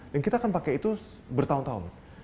dan kita akan pakai itu bertahun tahun